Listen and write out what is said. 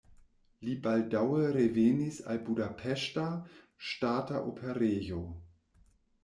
Li baldaŭe revenis al Budapeŝta Ŝtata Operejo.